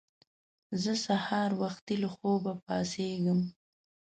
زه سهار وختي له خوبه پاڅېږم